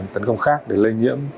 tấn công khác để lây nhiễm